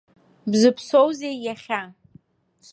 Бзыԥсоузеи иахьа.